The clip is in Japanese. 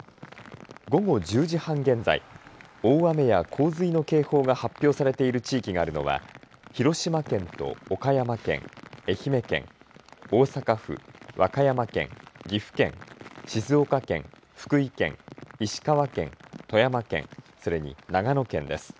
午後１０時半現在大雨や洪水の警報が発表されている地域があるのは広島県と岡山県愛媛県、大阪府和歌山県、岐阜県、静岡県、福井県石川県、富山県、それに長野県です。